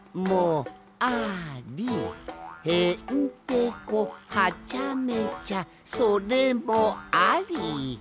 「へ・ん・て・こ・は・ちゃ・め・ちゃそ・れ・も・あ・り」